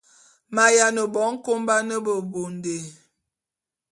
Ma’yiane bo nkoban bebondé.